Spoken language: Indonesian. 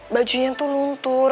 baju yang tuh luntur